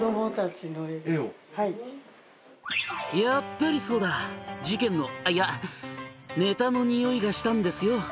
「やっぱりそうだ」「事件のいやネタのにおいがしたんですよ」